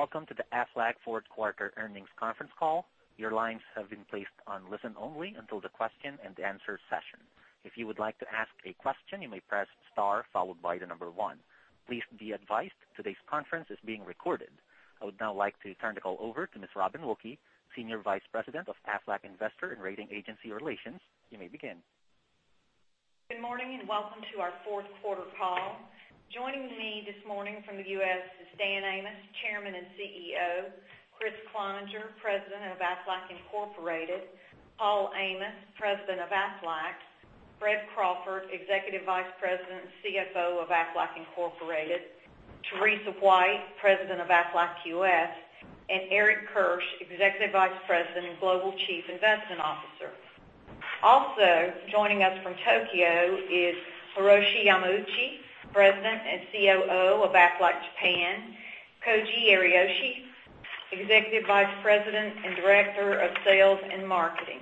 Welcome to the Aflac fourth quarter earnings conference call. Your lines have been placed on listen only until the question and answer session. If you would like to ask a question, you may press star followed by the number one. Please be advised today's conference is being recorded. I would now like to turn the call over to Ms. Robin Wilkey, Senior Vice President of Aflac Investor and Rating Agency Relations. You may begin. Good morning. Welcome to our fourth quarter call. Joining me this morning from the U.S. is Dan Amos, Chairman and CEO, Kriss Cloninger, President of Aflac Incorporated, Paul Amos, President of Aflac, Fred Crawford, Executive Vice President and CFO of Aflac Incorporated, Teresa White, President of Aflac U.S., and Eric Kirsch, Executive Vice President and Global Chief Investment Officer. Also joining us from Tokyo is Hiroshi Yamauchi, President and COO of Aflac Japan, Koji Ariyoshi, Executive Vice President and Director of Sales and Marketing.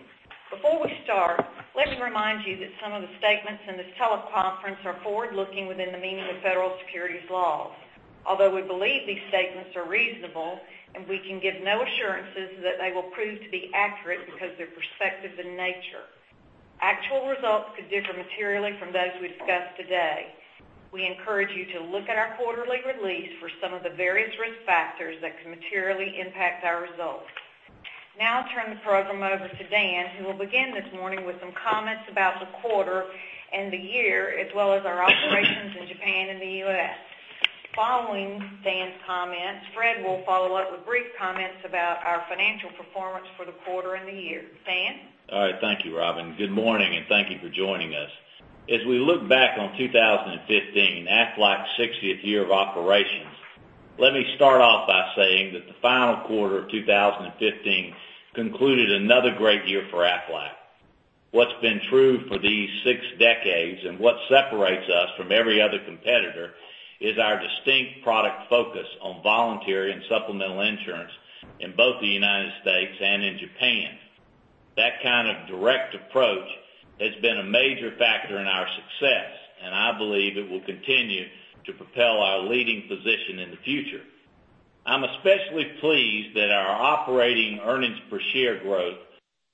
Before we start, let me remind you that some of the statements in this teleconference are forward-looking within the meaning of federal securities laws. We believe these statements are reasonable, and we can give no assurances that they will prove to be accurate because they're prospective in nature. Actual results could differ materially from those we discuss today. We encourage you to look at our quarterly release for some of the various risk factors that could materially impact our results. I'll turn the program over to Dan, who will begin this morning with some comments about the quarter and the year, as well as our operations in Japan and the U.S. Following Dan's comments, Fred will follow up with brief comments about our financial performance for the quarter and the year. Dan? All right. Thank you, Robin. Good morning. Thank you for joining us. As we look back on 2015, Aflac's 60th year of operations, let me start off by saying that the final quarter of 2015 concluded another great year for Aflac. What's been true for these six decades and what separates us from every other competitor is our distinct product focus on voluntary and supplemental insurance in both the United States and in Japan. That kind of direct approach has been a major factor in our success, and I believe it will continue to propel our leading position in the future. I'm especially pleased that our operating earnings per share growth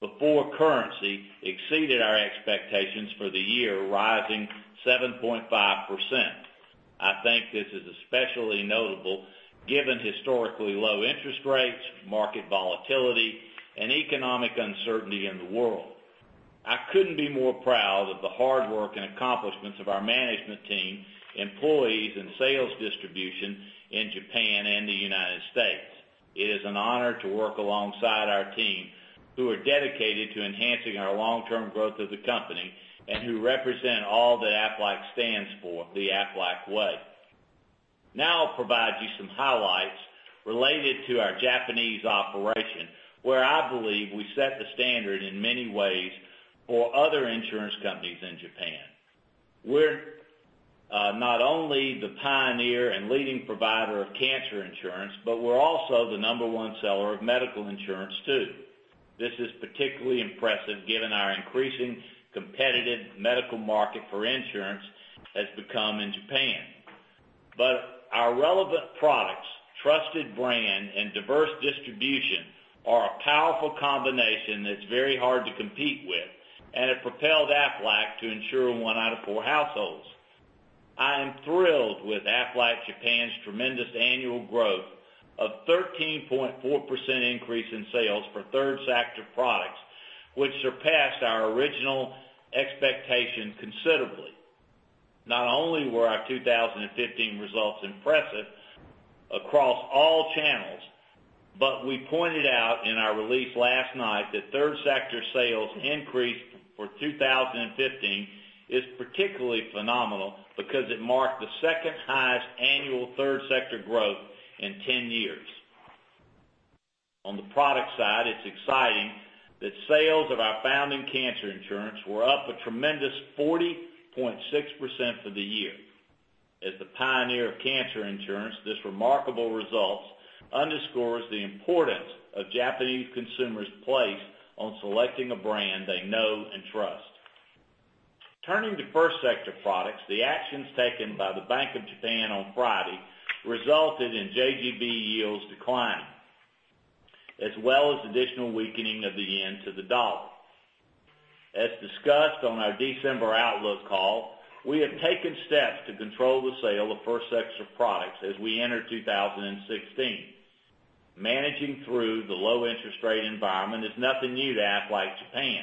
before currency exceeded our expectations for the year, rising 7.5%. I think this is especially notable given historically low interest rates, market volatility, and economic uncertainty in the world. I couldn't be more proud of the hard work and accomplishments of our management team, employees, and sales distribution in Japan and the U.S. It is an honor to work alongside our team, who are dedicated to enhancing our long-term growth of the company and who represent all that Aflac stands for, The Aflac Way. I'll provide you some highlights related to our Japanese operation, where I believe we set the standard in many ways for other insurance companies in Japan. We're not only the pioneer and leading provider of cancer insurance, but we're also the number 1 seller of medical insurance, too. This is particularly impressive given our increasing competitive medical market for insurance has become in Japan. Our relevant products, trusted brand, and diverse distribution are a powerful combination that's very hard to compete with, and it propelled Aflac to insure one out of four households. I am thrilled with Aflac Japan's tremendous annual growth of 13.4% increase in sales for third sector products, which surpassed our original expectation considerably. Not only were our 2015 results impressive across all channels, but we pointed out in our release last night that third sector sales increase for 2015 is particularly phenomenal because it marked the second highest annual third sector growth in 10 years. On the product side, it's exciting that sales of our founding cancer insurance were up a tremendous 40.6% for the year. As the pioneer of cancer insurance, this remarkable result underscores the importance of Japanese consumers' place on selecting a brand they know and trust. Turning to first sector products, the actions taken by the Bank of Japan on Friday resulted in JGB yields decline, as well as additional weakening of the JPY to the U.S. dollar. As discussed on our December outlook call, we have taken steps to control the sale of first sector products as we enter 2016. Managing through the low interest rate environment is nothing new to Aflac Japan.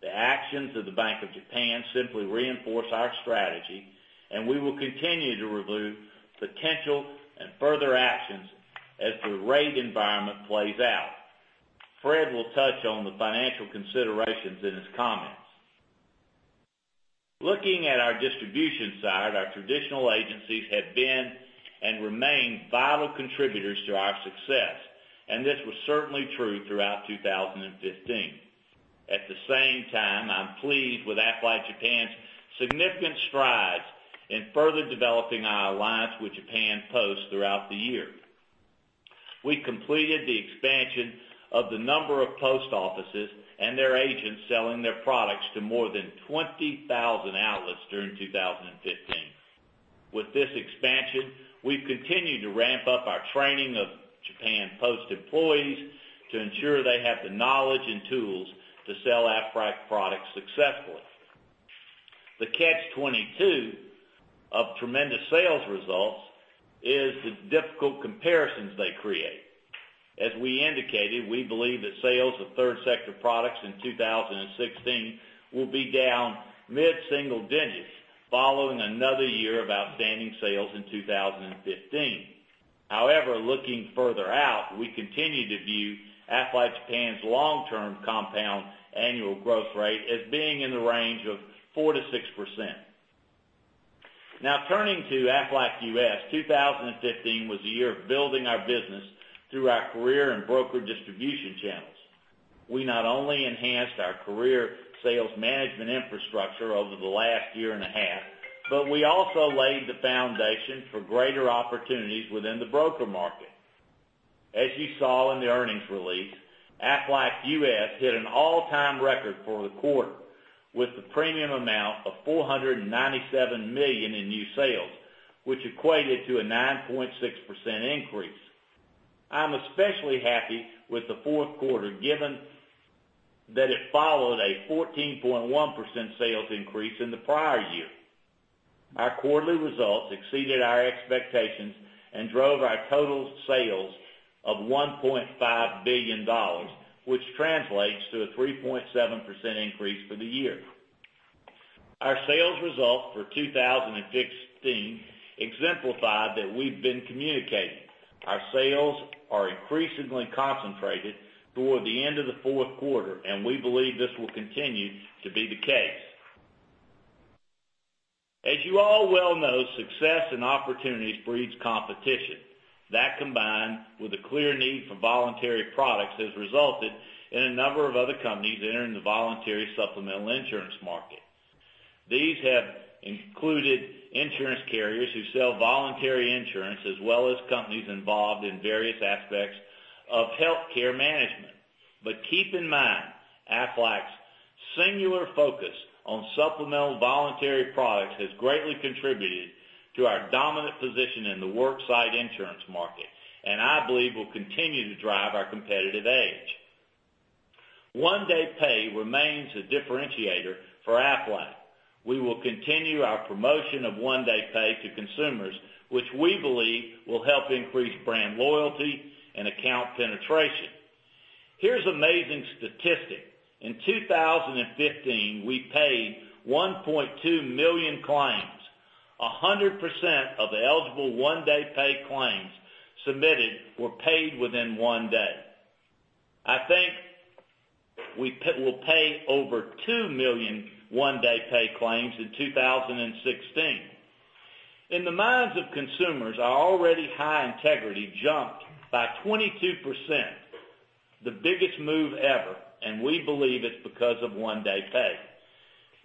The actions of the Bank of Japan simply reinforce our strategy, and we will continue to review potential and further actions as the rate environment plays out. Fred will touch on the financial considerations in his comments. Looking at our distribution side, our traditional agencies have been and remain vital contributors to our success, and this was certainly true throughout 2015. At the same time, I'm pleased with Aflac Japan's significant strides in further developing our alliance with Japan Post throughout the year. We completed the expansion of the number of post offices and their agents selling their products to more than 20,000 outlets during 2015. With this expansion, we've continued to ramp up our training of Japan Post employees to ensure they have the knowledge and tools to sell Aflac products successfully. The catch 22 of tremendous sales results is the difficult comparisons they create. As we indicated, we believe that sales of third sector products in 2016 will be down mid-single digits, following another year of outstanding sales in 2015. Looking further out, we continue to view Aflac Japan's long-term compound annual growth rate as being in the range of 4%-6%. Turning to Aflac U.S., 2015 was a year of building our business through our career and broker distribution channels. We not only enhanced our career sales management infrastructure over the last year and a half, but we also laid the foundation for greater opportunities within the broker market. As you saw in the earnings release, Aflac U.S. hit an all-time record for the quarter, with the premium amount of $497 million in new sales, which equated to a 9.6% increase. I'm especially happy with the fourth quarter, given that it followed a 14.1% sales increase in the prior year. Our quarterly results exceeded our expectations and drove our total sales of $1.5 billion, which translates to a 3.7% increase for the year. Our sales results for 2016 exemplified that we've been communicating. Our sales are increasingly concentrated toward the end of the fourth quarter, and we believe this will continue to be the case. As you all well know, success and opportunity breeds competition. That, combined with a clear need for voluntary products, has resulted in a number of other companies entering the voluntary supplemental insurance market. These have included insurance carriers who sell voluntary insurance, as well as companies involved in various aspects of healthcare management. Keep in mind, Aflac's singular focus on supplemental voluntary products has greatly contributed to our dominant position in the work site insurance market, and I believe will continue to drive our competitive edge. One Day Pay remains a differentiator for Aflac. We will continue our promotion of One Day Pay to consumers, which we believe will help increase brand loyalty and account penetration. Here's an amazing statistic. In 2015, we paid 1.2 million claims. 100% of eligible One Day Pay claims submitted were paid within one day. I think we'll pay over 2 million One Day Pay claims in 2016. In the minds of consumers, our already high integrity jumped by 22%, the biggest move ever. We believe it's because of One Day Pay.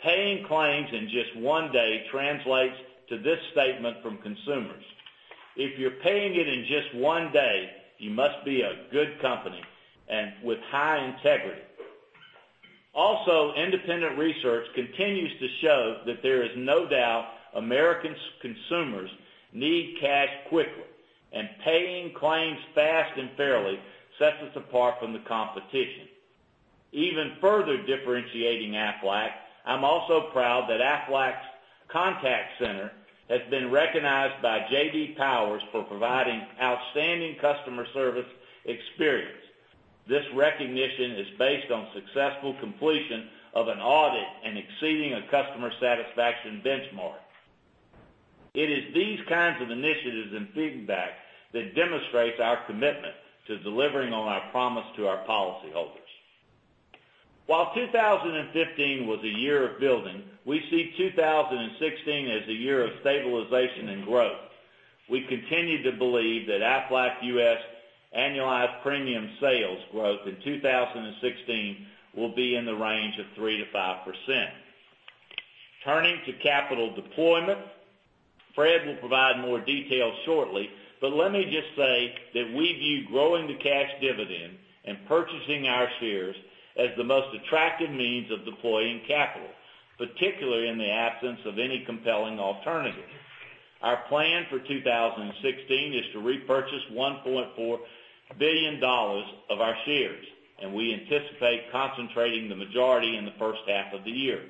Paying claims in just one day translates to this statement from consumers, "If you're paying it in just one day, you must be a good company and with high integrity." Also, independent research continues to show that there is no doubt Americans consumers need cash quickly, and paying claims fast and fairly sets us apart from the competition. Even further differentiating Aflac, I'm also proud that Aflac's contact center has been recognized by J.D. Power for providing outstanding customer service experience. This recognition is based on successful completion of an audit and exceeding a customer satisfaction benchmark. It is these kinds of initiatives and feedback that demonstrates our commitment to delivering on our promise to our policyholders. While 2015 was a year of building, we see 2016 as a year of stabilization and growth. We continue to believe that Aflac U.S. annualized premium sales growth in 2016 will be in the range of 3%-5%. Turning to capital deployment, Fred will provide more details shortly, but let me just say that we view growing the cash dividend and purchasing our shares as the most attractive means of deploying capital, particularly in the absence of any compelling alternative. Our plan for 2016 is to repurchase $1.4 billion of our shares, and we anticipate concentrating the majority in the first half of the year.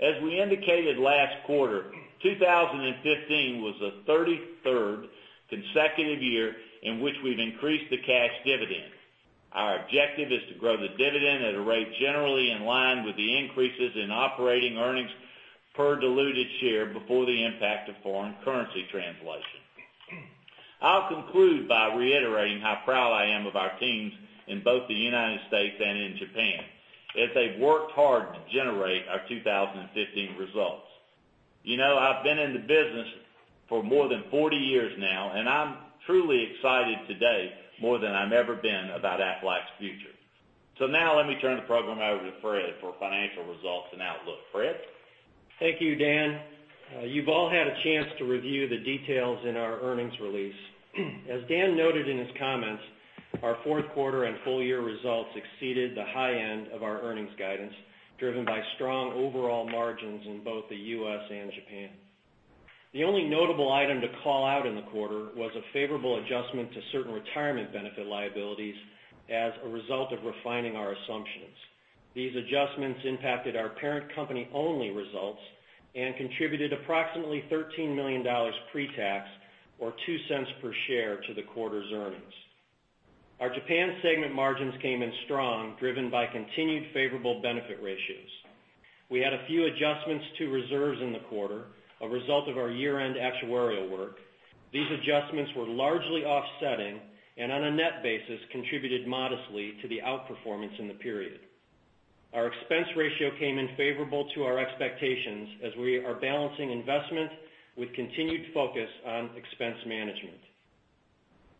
As we indicated last quarter, 2015 was the 33rd consecutive year in which we've increased the cash dividend. Our objective is to grow the dividend at a rate generally in line with the increases in operating earnings per diluted share before the impact of foreign currency translation. I'll conclude by reiterating how proud I am of our teams in both the U.S. and in Japan, as they've worked hard to generate our 2015 results. I've been in the business for more than 40 years now, and I'm truly excited today more than I've ever been about Aflac's future. Now let me turn the program over to Fred for financial results and outlook. Fred? Thank you, Dan. You've all had a chance to review the details in our earnings release. As Dan noted in his comments, our fourth quarter and full year results exceeded the high end of our earnings guidance, driven by strong overall margins in both the U.S. and Japan. The only notable item to call out in the quarter was a favorable adjustment to certain retirement benefit liabilities as a result of refining our assumptions. These adjustments impacted our parent company only results and contributed approximately JPY 13 million pre-tax, or 0.02 per share to the quarter's earnings. Our Japan segment margins came in strong, driven by continued favorable benefit ratios. We had a few adjustments to reserves in the quarter, a result of our year-end actuarial work. These adjustments were largely offsetting and on a net basis, contributed modestly to the outperformance in the period. Our expense ratio came in favorable to our expectations as we are balancing investment with continued focus on expense management.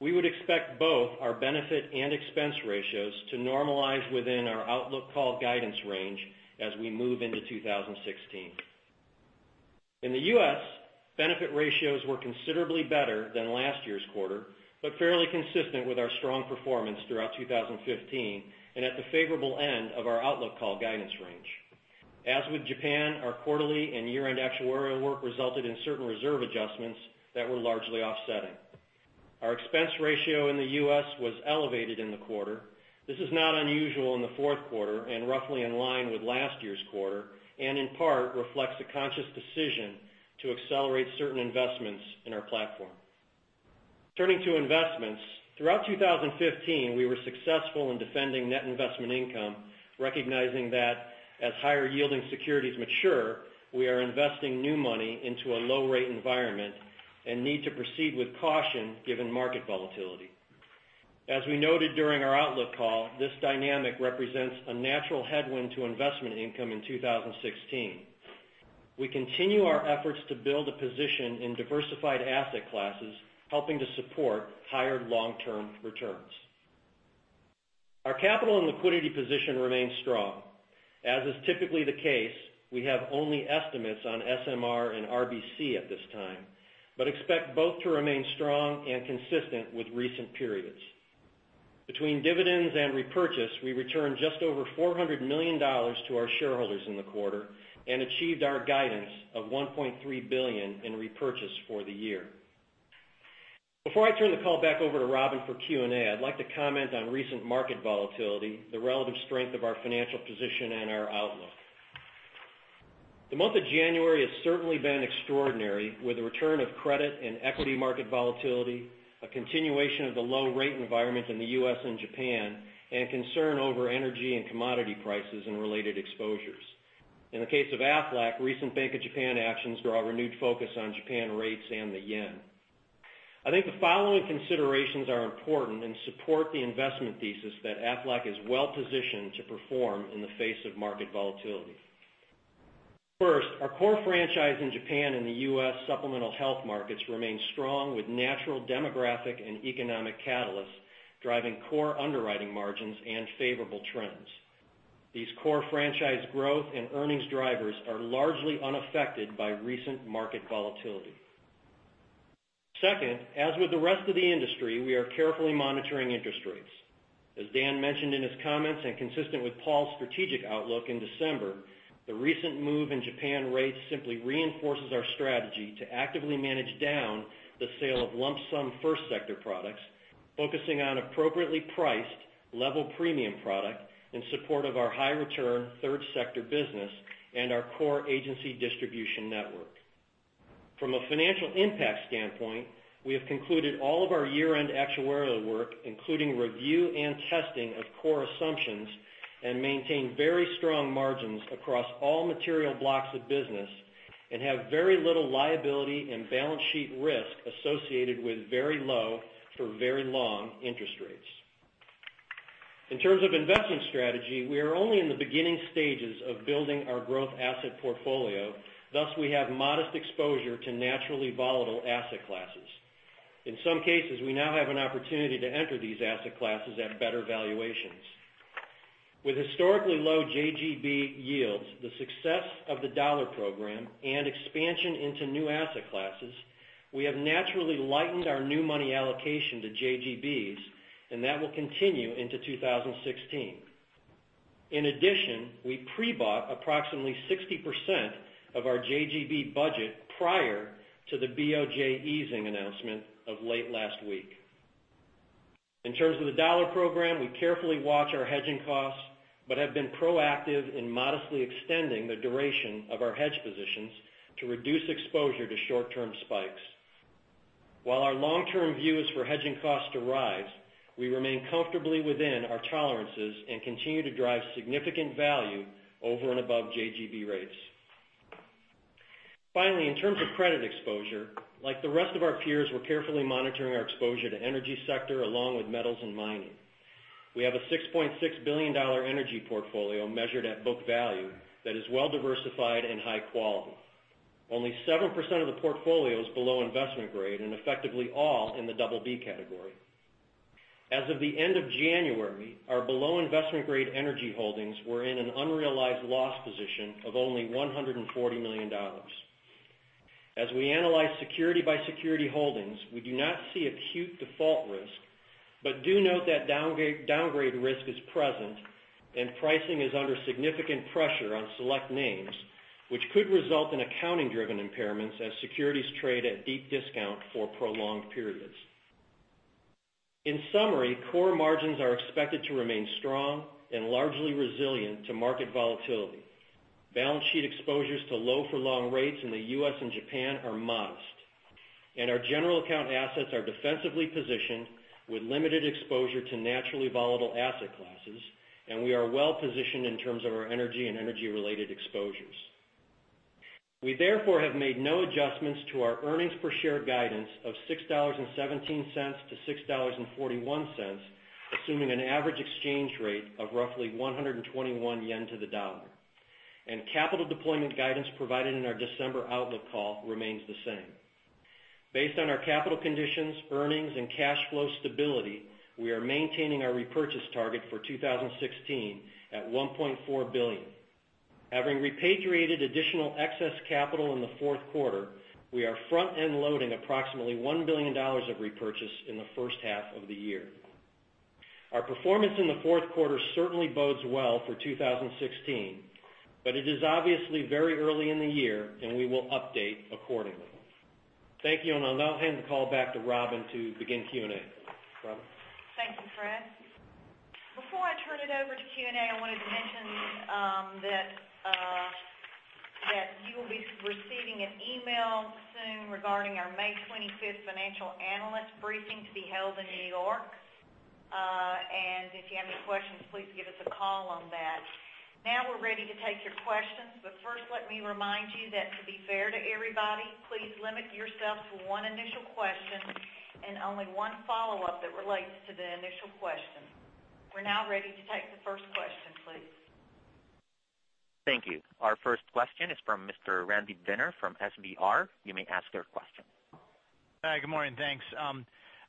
We would expect both our benefit and expense ratios to normalize within our outlook call guidance range as we move into 2016. In the U.S., benefit ratios were considerably better than last year's quarter, but fairly consistent with our strong performance throughout 2015 and at the favorable end of our outlook call guidance range. As with Japan, our quarterly and year-end actuarial work resulted in certain reserve adjustments that were largely offsetting. Our expense ratio in the U.S. was elevated in the quarter. This is not unusual in the fourth quarter and roughly in line with last year's quarter, and in part reflects a conscious decision to accelerate certain investments in our platform. Turning to investments, throughout 2015, we were successful in defending net investment income, recognizing that as higher yielding securities mature, we are investing new money into a low rate environment and need to proceed with caution given market volatility. As we noted during our outlook call, this dynamic represents a natural headwind to investment income in 2016. We continue our efforts to build a position in diversified asset classes, helping to support higher long-term returns. Our capital and liquidity position remains strong. As is typically the case, we have only estimates on SMR and RBC at this time, but expect both to remain strong and consistent with recent periods. Between dividends and repurchase, we returned just over JPY 400 million to our shareholders in the quarter and achieved our guidance of 1.3 billion in repurchase for the year. Before I turn the call back over to Robin for Q&A, I'd like to comment on recent market volatility, the relative strength of our financial position and our outlook. The month of January has certainly been extraordinary, with the return of credit and equity market volatility, a continuation of the low rate environment in the U.S. and Japan, and concern over energy and commodity prices and related exposures. In the case of Aflac, recent Bank of Japan actions draw renewed focus on Japan rates and the yen. I think the following considerations are important and support the investment thesis that Aflac is well positioned to perform in the face of market volatility. First, our core franchise in Japan and the U.S. supplemental health markets remain strong with natural demographic and economic catalysts driving core underwriting margins and favorable trends. These core franchise growth and earnings drivers are largely unaffected by recent market volatility. As with the rest of the industry, we are carefully monitoring interest rates. As Dan mentioned in his comments and consistent with Paul's strategic outlook in December, the recent move in Japan rates simply reinforces our strategy to actively manage down the sale of lump sum first sector products, focusing on appropriately priced level premium product in support of our high return third sector business and our core agency distribution network. From a financial impact standpoint, we have concluded all of our year-end actuarial work, including review and testing of core assumptions, and maintain very strong margins across all material blocks of business and have very little liability and balance sheet risk associated with very low for very long interest rates. In terms of investment strategy, we are only in the beginning stages of building our growth asset portfolio, thus we have modest exposure to naturally volatile asset classes. In some cases, we now have an opportunity to enter these asset classes at better valuations. With historically low JGB yields, the success of the dollar program, and expansion into new asset classes, we have naturally lightened our new money allocation to JGBs, and that will continue into 2016. We pre-bought approximately 60% of our JGB budget prior to the BOJ easing announcement of late last week. In terms of the dollar program, we carefully watch our hedging costs, but have been proactive in modestly extending the duration of our hedge positions to reduce exposure to short-term spikes. While our long-term view is for hedging costs to rise, we remain comfortably within our tolerances and continue to drive significant value over and above JGB rates. In terms of credit exposure, like the rest of our peers, we're carefully monitoring our exposure to energy sector along with metals and mining. We have a JPY 6.6 billion energy portfolio measured at book value that is well diversified and high quality. Only 7% of the portfolio is below investment grade and effectively all in the double B category. As of the end of January, our below investment-grade energy holdings were in an unrealized loss position of only JPY 140 million. As we analyze security by security holdings, we do not see acute default risk, but do note that downgrade risk is present and pricing is under significant pressure on select names, which could result in accounting-driven impairments as securities trade at deep discount for prolonged periods. In summary, core margins are expected to remain strong and largely resilient to market volatility. Balance sheet exposures to low for long rates in the U.S. and Japan are modest, and our general account assets are defensively positioned with limited exposure to naturally volatile asset classes, and we are well-positioned in terms of our energy and energy-related exposures. We therefore have made no adjustments to our earnings per share guidance of $6.17 to $6.41, assuming an average exchange rate of roughly 121 yen to the dollar. Capital deployment guidance provided in our December outlook call remains the same. Based on our capital conditions, earnings, and cash flow stability, we are maintaining our repurchase target for 2016 at 1.4 billion. Having repatriated additional excess capital in the fourth quarter, we are front-end loading approximately JPY 1 billion of repurchase in the first half of the year. Our performance in the fourth quarter certainly bodes well for 2016, but it is obviously very early in the year and we will update accordingly. Thank you, and I will now hand the call back to Robin to begin Q&A. Robin? Thank you, Fred. Before I turn it over to Q&A, I wanted to mention that you will be receiving an email soon regarding our May 25th financial analyst briefing to be held in New York. If you have any questions, please give us a call on that. Now we are ready to take your questions, first, let me remind you that to be fair to everybody, please limit yourself to one initial question and only one follow-up that relates to the initial question. We are now ready to take the first question, please. Thank you. Our first question is from Mr. Randy Binner from FBR. You may ask your question. Hi, good morning. Thanks.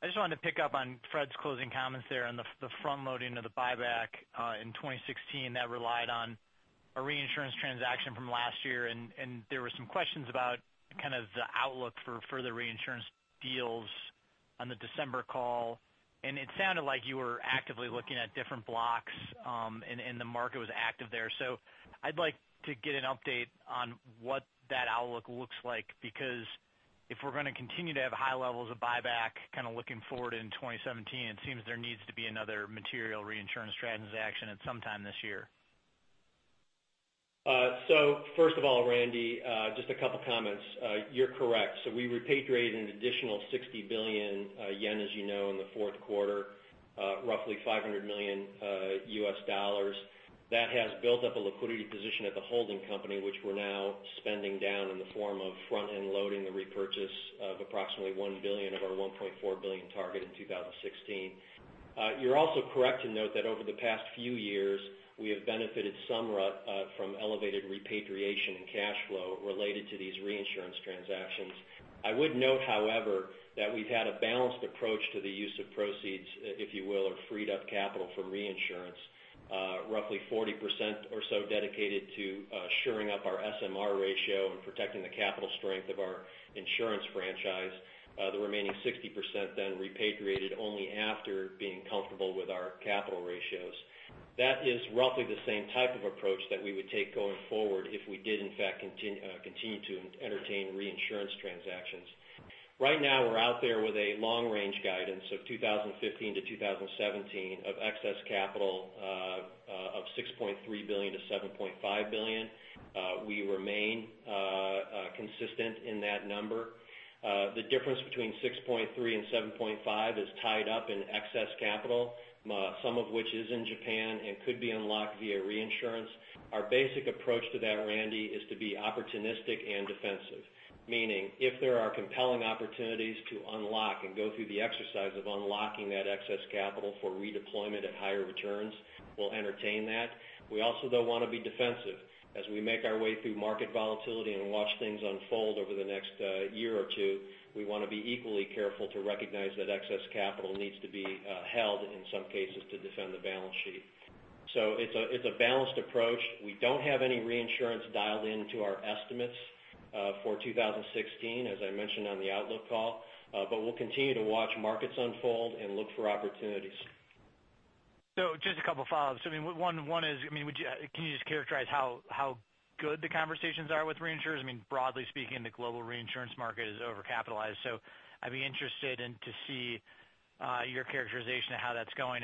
I just wanted to pick up on Fred's closing comments there on the front-loading of the buyback in 2016 that relied on a reinsurance transaction from last year, and there were some questions about the outlook for further reinsurance deals on the December call. It sounded like you were actively looking at different blocks, and the market was active there. I'd like to get an update on what that outlook looks like, because if we're going to continue to have high levels of buyback, looking forward in 2017, it seems there needs to be another material reinsurance transaction at some time this year. First of all, Randy, just a couple of comments. You're correct. We repatriated an additional 60 billion yen, as you know, in the fourth quarter, roughly $500 million. That has built up a liquidity position at the holding company, which we're now spending down in the form of front-end loading the repurchase of approximately 1 billion of our 1.4 billion target in 2016. You're also correct to note that over the past few years, we have benefited somewhat from elevated repatriation and cash flow related to these reinsurance transactions. I would note, however, that we've had a balanced approach to the use of proceeds, if you will, of freed up capital from reinsurance. Roughly 40% or so dedicated to shoring up our SMR ratio and protecting the capital strength of our insurance franchise. The remaining 60% repatriated only after being comfortable with our capital ratios. That is roughly the same type of approach that we would take going forward if we did in fact continue to entertain reinsurance transactions. Right now, we're out there with a long range guidance of 2015 to 2017 of excess capital of 6.3 billion-7.5 billion. We remain consistent in that number. The difference between 6.3 and 7.5 is tied up in excess capital, some of which is in Japan and could be unlocked via reinsurance. Our basic approach to that, Randy, is to be opportunistic and defensive, meaning if there are compelling opportunities to unlock and go through the exercise of unlocking that excess capital for redeployment at higher returns, we'll entertain that. We also, though, want to be defensive as we make our way through market volatility and watch things unfold over the next year or two. We want to be equally careful to recognize that excess capital needs to be held in some cases to defend the balance sheet. It's a balanced approach. We don't have any reinsurance dialed into our estimates for 2016, as I mentioned on the outlook call, we'll continue to watch markets unfold and look for opportunities. Just a couple of follow-ups. One is, can you just characterize how good the conversations are with reinsurers? Broadly speaking, the global reinsurance market is overcapitalized. I'd be interested to see your characterization of how that's going.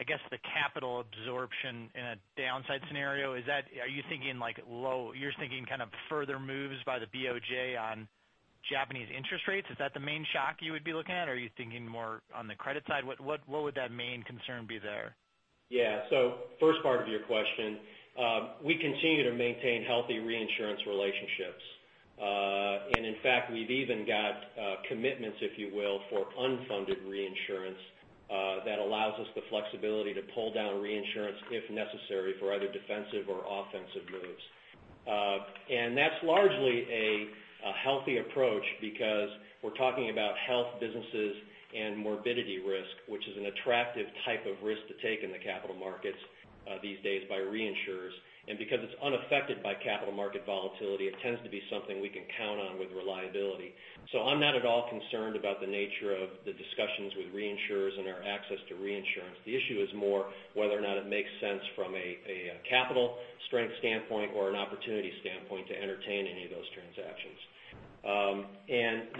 I guess the capital absorption in a downside scenario, are you thinking kind of further moves by the BOJ on Japanese interest rates? Is that the main shock you would be looking at? Are you thinking more on the credit side? What would that main concern be there? First part of your question, we continue to maintain healthy reinsurance relationships. In fact, we've even got commitments, if you will, for unfunded reinsurance, that allows us the flexibility to pull down reinsurance if necessary for either defensive or offensive moves. That's largely a healthy approach because we're talking about health businesses and morbidity risk, which is an attractive type of risk to take in the capital markets these days by reinsurers. Because it's unaffected by capital market volatility, it tends to be something we can count on with reliability. I'm not at all concerned about the nature of the discussions with reinsurers and our access to reinsurance. The issue is more whether or not it makes sense from a capital strength standpoint or an opportunity standpoint to entertain any of those transactions.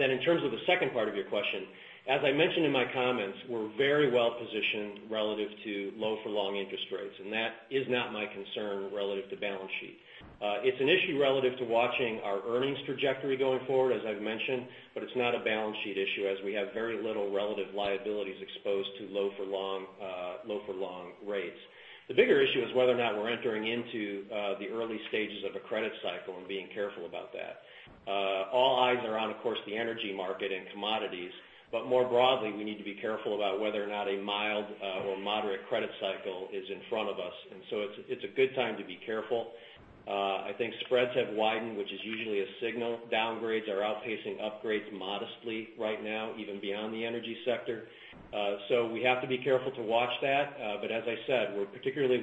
In terms of the second part of your question, as I mentioned in my comments, we're very well-positioned relative to low-for-long interest rates, and that is not my concern relative to balance sheet. It's an issue relative to watching our earnings trajectory going forward, as I've mentioned. It's not a balance sheet issue as we have very little relative liabilities exposed to low-for-long rates. The bigger issue is whether or not we're entering into the early stages of a credit cycle and being careful about that. All eyes are on, of course, the energy market and commodities. More broadly, we need to be careful about whether or not a mild or moderate credit cycle is in front of us. It's a good time to be careful. I think spreads have widened, which is usually a signal. Downgrades are outpacing upgrades modestly right now, even beyond the energy sector. We have to be careful to watch that. As I said, we're particularly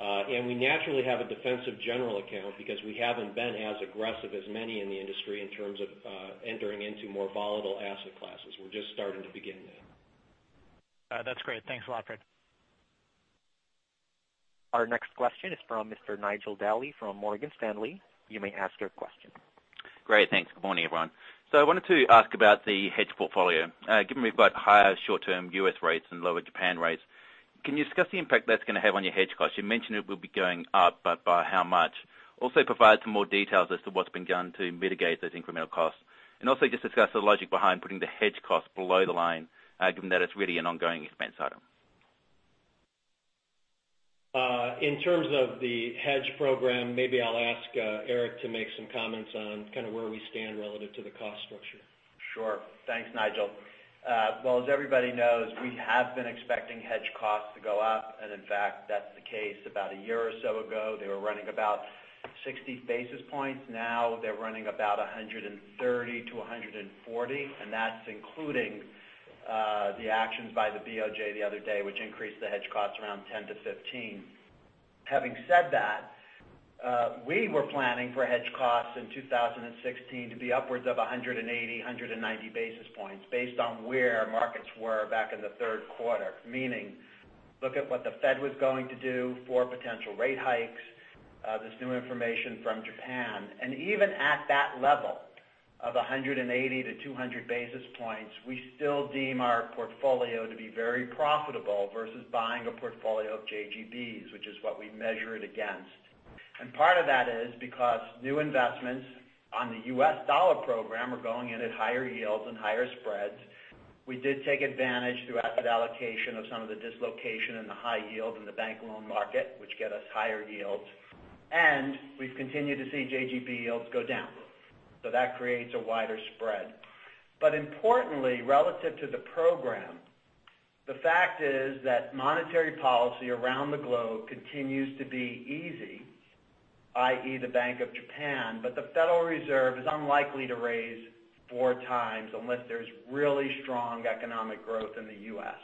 well-positioned. We naturally have a defensive general account because we haven't been as aggressive as many in the industry in terms of entering into more volatile asset classes. We're just starting to begin that. That's great. Thanks a lot, Fred. Our next question is from Mr. Nigel Dally from Morgan Stanley. You may ask your question. Great. Thanks. Good morning, everyone. I wanted to ask about the hedge portfolio. Given we've got higher short-term U.S. rates and lower Japan rates, can you discuss the impact that's going to have on your hedge costs? You mentioned it will be going up, but by how much? Also provide some more details as to what's been done to mitigate those incremental costs. Also just discuss the logic behind putting the hedge cost below the line, given that it's really an ongoing expense item. In terms of the hedge program, maybe I'll ask Eric to make some comments on kind of where we stand relative to the cost structure. Sure. Thanks, Nigel. As everybody knows, we have been expecting hedge costs to go up, and in fact, that's the case. About a year or so ago, they were running about 60 basis points. Now they're running about 130 to 140, and that's including the actions by the BOJ the other day, which increased the hedge costs around 10 to 15. Having said that, we were planning for hedge costs in 2016 to be upwards of 180, 190 basis points based on where our markets were back in the third quarter, meaning look at what the Fed was going to do, four potential rate hikes, this new information from Japan. Even at that level of 180 to 200 basis points, we still deem our portfolio to be very profitable versus buying a portfolio of JGBs, which is what we measure it against. Part of that is because new investments on the US dollar program are going in at higher yields and higher spreads. We did take advantage through asset allocation of some of the dislocation in the high yield in the bank loan market, which get us higher yields. We've continued to see JGB yields go down. That creates a wider spread. Importantly, relative to the program, the fact is that monetary policy around the globe continues to be easy, i.e., the Bank of Japan, but the Federal Reserve is unlikely to raise four times unless there's really strong economic growth in the U.S.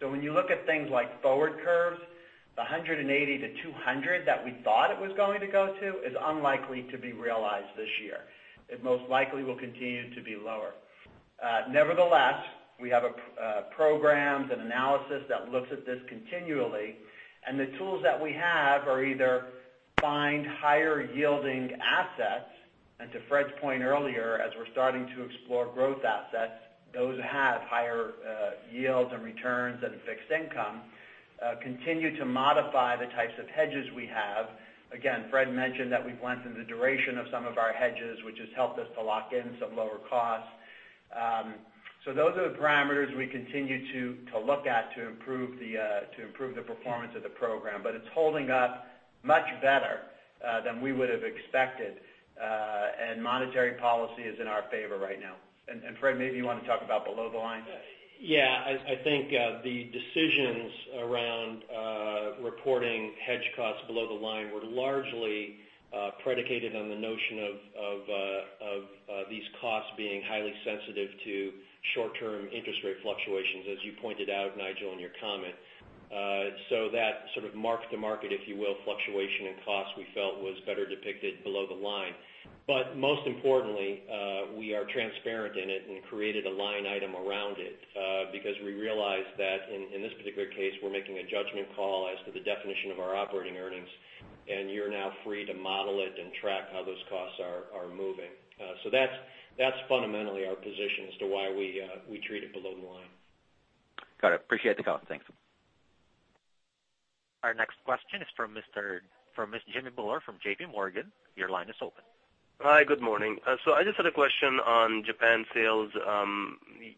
When you look at things like forward curves, the 180 to 200 that we thought it was going to go to is unlikely to be realized this year. It most likely will continue to be lower. Nevertheless, we have programs and analysis that looks at this continually, the tools that we have are either find higher yielding assets, and to Fred's point earlier, as we're starting to explore growth assets, those have higher yields and returns than fixed income. Continue to modify the types of hedges we have. Again, Fred mentioned that we've lengthened the duration of some of our hedges, which has helped us to lock in some lower costs. Those are the parameters we continue to look at to improve the performance of the program. It's holding up much better than we would have expected. Monetary policy is in our favor right now. Fred, maybe you want to talk about below the line. Yeah. I think the decisions around reporting hedge costs below the line were largely predicated on the notion of these costs being highly sensitive to short-term interest rate fluctuations, as you pointed out, Nigel, in your comment. That sort of mark to market, if you will, fluctuation in cost we felt was better depicted below the line. Most importantly, we are transparent in it and created a line item around it because we realized that in this particular case, we're making a judgment call as to the definition of our operating earnings, and you're now free to model it and track how those costs are moving. That's fundamentally our position as to why we treat it below the line. Got it. Appreciate the comment. Thanks. Our next question is from Jimmy Bhullar from JPMorgan. Your line is open. Hi. Good morning. I just had a question on Japan sales.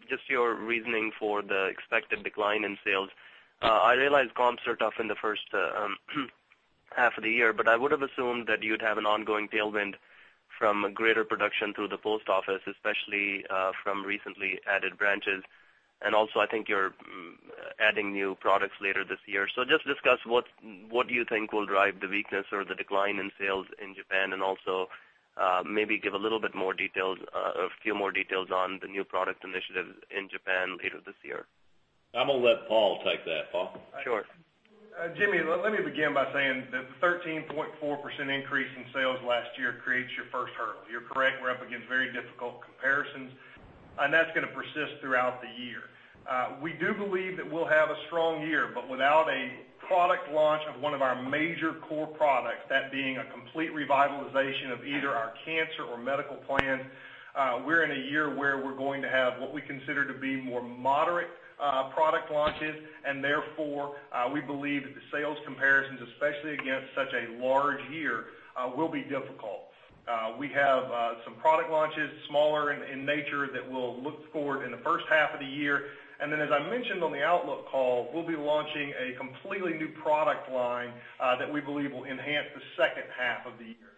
Just your reasoning for the expected decline in sales. I realize comps are tough in the first half of the year, but I would've assumed that you'd have an ongoing tailwind from greater production through the post office, especially from recently added branches. Also, I think you're adding new products later this year. Just discuss what you think will drive the weakness or the decline in sales in Japan, and also maybe give a few more details on the new product initiatives in Japan later this year. I'm going to let Paul take that. Paul? Sure. Jimmy, let me begin by saying that the 13.4% increase in sales last year creates your first hurdle. You're correct, we're up against very difficult comparisons, that's going to persist throughout the year. We do believe that we'll have a strong year, but without a product launch of one of our major core products, that being a complete revitalization of either our cancer or medical plan, we're in a year where we're going to have what we consider to be more moderate product launches. Therefore, we believe that the sales comparisons, especially against such a large year, will be difficult. We have some product launches, smaller in nature, that we'll look for in the first half of the year. Then, as I mentioned on the outlook call, we'll be launching a completely new product line that we believe will enhance the second half of the year.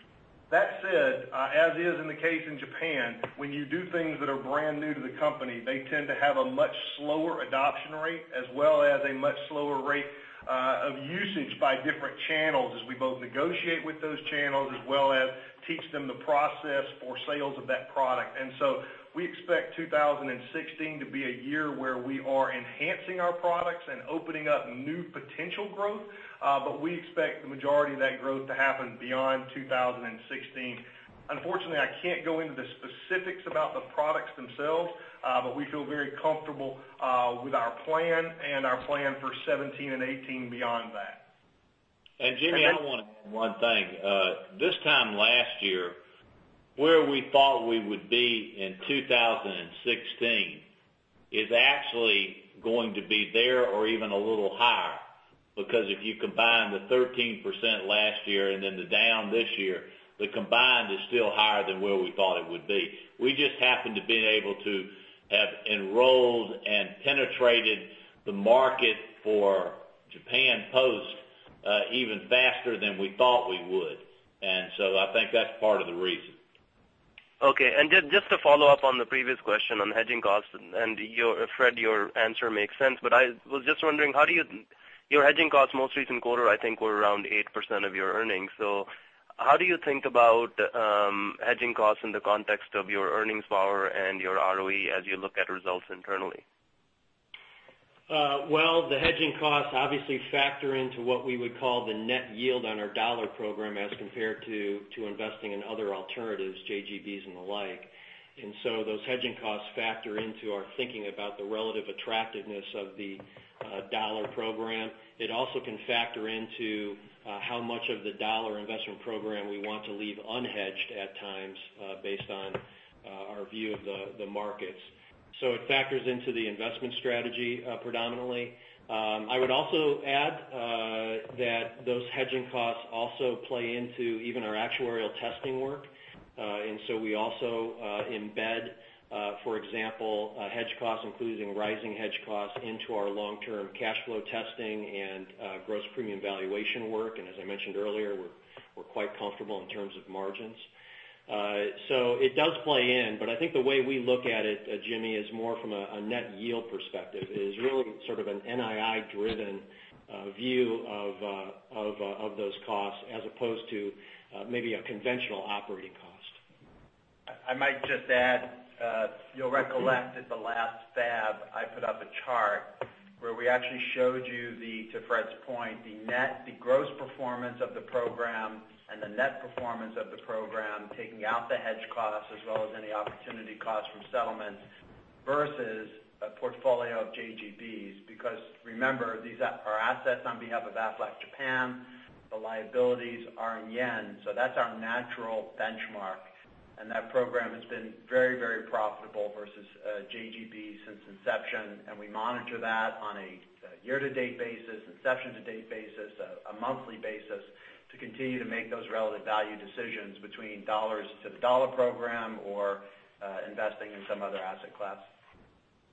That said, as is in the case in Japan, when you do things that are brand new to the company, they tend to have a much slower adoption rate as well as a much slower rate of usage by different channels as we both negotiate with those channels as well as teach them the process for sales of that product. We expect 2016 to be a year where we are enhancing our products and opening up new potential growth, but we expect the majority of that growth to happen beyond 2016. Unfortunately, I can't go into the specifics about the products themselves, but we feel very comfortable with our plan and our plan for 2017 and 2018 beyond that. Jimmy, I want to add one thing. This time last year, where we thought we would be in 2016 is actually going to be there or even a little higher. Because if you combine the 13% last year and then the down this year, the combined is still higher than where we thought it would be. We just happened to been able to have enrolled and penetrated the market for Japan Post even faster than we thought we would. I think that's part of the reason. Okay. Just to follow up on the previous question on hedging costs, Fred, your answer makes sense, but I was just wondering, your hedging costs most recent quarter, I think, were around 8% of your earnings. How do you think about hedging costs in the context of your earnings power and your ROE as you look at results internally? Well, the hedging costs obviously factor into what we would call the net yield on our dollar program as compared to investing in other alternatives, JGBs and the like. Those hedging costs factor into our thinking about the relative attractiveness of the dollar program. It also can factor into how much of the dollar investment program we want to leave unhedged at times based on our view of the markets. It factors into the investment strategy predominantly. I would also add that those hedging costs also play into even our actuarial testing work. We also embed for example, hedge costs, including rising hedge costs, into our long-term cash flow testing and Gross Premium Valuation work. As I mentioned earlier, we're quite comfortable in terms of margins. It does play in, but I think the way we look at it, Jimmy, is more from a net yield perspective, is really sort of an NII driven view of those costs as opposed to maybe a conventional operating cost. I might just add, you'll recollect at the last FAB, I put up a chart where we actually showed you the, to Fred's point, the gross performance of the program and the net performance of the program, taking out the hedge costs as well as any opportunity costs from settlements versus a portfolio of JGBs. Because remember, these are assets on behalf of Aflac Japan. The liabilities are in yen, so that's our natural benchmark. That program has been very profitable versus JGB since inception, and we monitor that on a year-to-date basis, inception-to-date basis, a monthly basis to continue to make those relative value decisions between dollars to the dollar program or investing in some other asset class.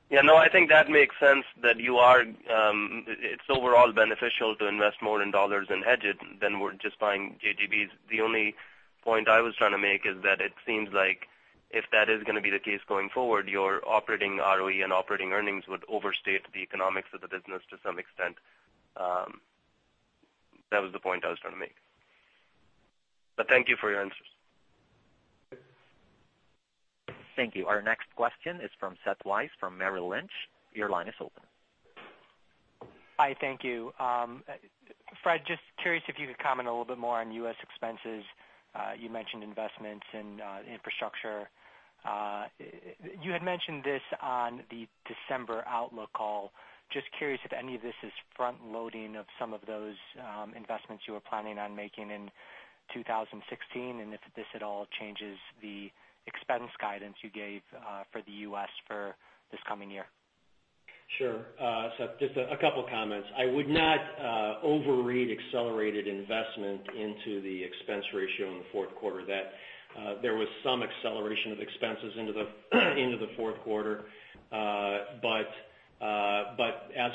Yeah, no, I think that makes sense that it's overall beneficial to invest more in dollars and hedge it than we're just buying JGBs. The only point I was trying to make is that it seems like if that is going to be the case going forward, your operating ROE and operating earnings would overstate the economics of the business to some extent. That was the point I was trying to make. Thank you for your answers. Thank you. Our next question is from Seth Weiss from Merrill Lynch. Your line is open. Hi, thank you. Fred, just curious if you could comment a little bit more on U.S. expenses. You mentioned investments in infrastructure. You had mentioned this on the December outlook call. Just curious if any of this is front loading of some of those investments you were planning on making in 2016, and if this at all changes the expense guidance you gave for the U.S. for this coming year. Sure. Seth, just a couple of comments. I would not overread accelerated investment into the expense ratio in the fourth quarter, that there was some acceleration of expenses into the fourth quarter. As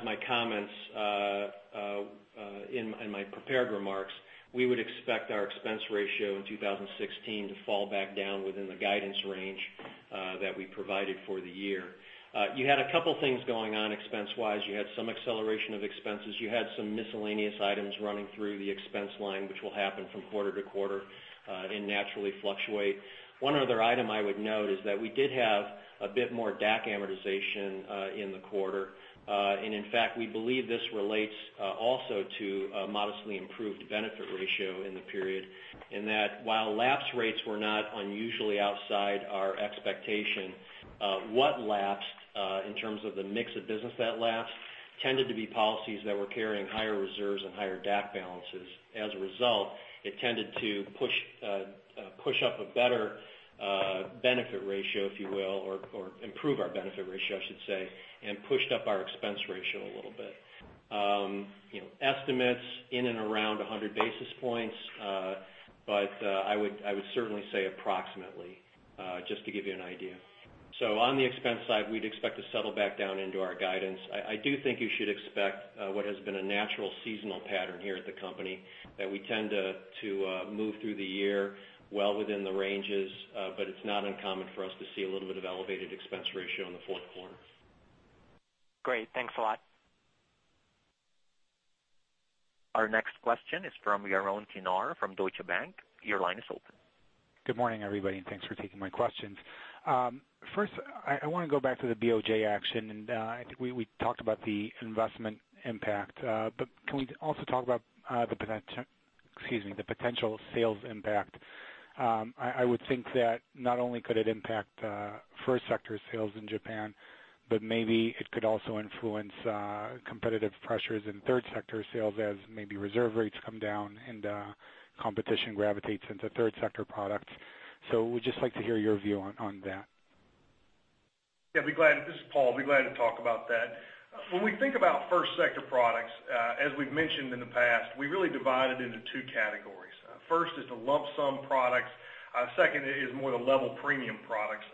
my comments in my prepared remarks, we would expect our expense ratio in 2016 to fall back down within the guidance range that we provided for the year. You had a couple things going on expense-wise. You had some acceleration of expenses. You had some miscellaneous items running through the expense line, which will happen from quarter to quarter and naturally fluctuate. One other item I would note is that we did have a bit more DAC amortization in the quarter. In fact, we believe this relates also to a modestly improved benefit ratio in the period, in that while lapse rates were not unusually outside our expectation, what lapsed, in terms of the mix of business that lapsed, tended to be policies that were carrying higher reserves and higher DAC balances. As a result, it tended to push up a better benefit ratio, if you will, or improve our benefit ratio, I should say, and pushed up our expense ratio a little bit. Estimates in and around 100 basis points. I would certainly say approximately, just to give you an idea. On the expense side, we'd expect to settle back down into our guidance. I do think you should expect what has been a natural seasonal pattern here at the company, that we tend to move through the year well within the ranges. It's not uncommon for us to see a little bit of elevated expense ratio in the fourth quarter. Great. Thanks a lot. Our next question is from Yaron Kinar from Deutsche Bank. Your line is open. Good morning, everybody, and thanks for taking my questions. First, I want to go back to the BOJ action, and I think we talked about the investment impact. Can we also talk about the potential sales impact? I would think that not only could it impact first sector sales in Japan, but maybe it could also influence competitive pressures in third sector sales as maybe reserve rates come down and competition gravitates into third sector products. Would just like to hear your view on that. This is Paul. Be glad to talk about that. When we think about first sector products, as we've mentioned in the past, we really divide it into two categories. First is the lump sum products, second is more the level premium products.